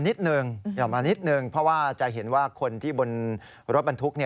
นิดนึงห่อมานิดนึงเพราะว่าจะเห็นว่าคนที่บนรถบรรทุก